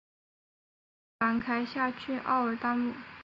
生于兰开夏郡奥尔德姆。